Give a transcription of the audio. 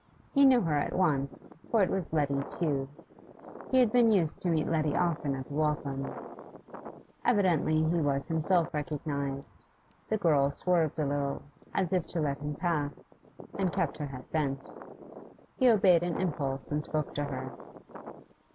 He knew her at once, for it was Letty Tew. He had been used to meet Letty often at the Walthams'. Evidently he was himself recognised; the girl swerved a little, as if to let him pass, and kept her head bent. He obeyed an impulse and spoke to her.